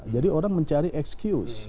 jadi orang mencari excuse